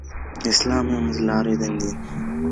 اسلام يو منځلاری دين دی.